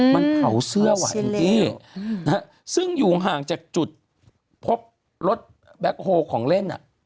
มันเผาเสื้ออ่ะพิงกี้ซึ่งอยู่ห่างจากจุดพบรถแบ็คโฮลของเล่น